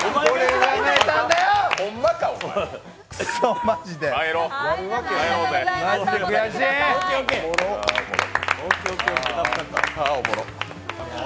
は、おもろ。